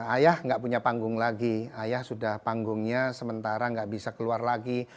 ayah nggak punya panggung lagi ayah sudah panggungnya sementara nggak bisa keluar lagi